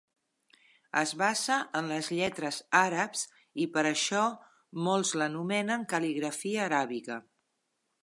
Es basa en les lletres àrabs i, per això, molts l'anomenen "cal·ligrafia aràbiga".